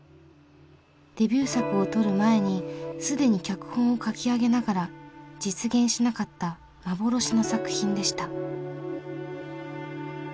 デビュー作を撮る前に既に脚本を書き上げながら実現しなかった「幻の作品」でした。